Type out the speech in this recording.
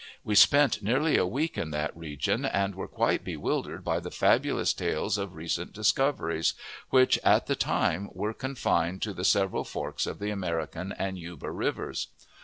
We spent nearly a week in that region, and were quite bewildered by the fabulous tales of recent discoveries, which at the time were confined to the several forks of the American and Yuba Rivers.'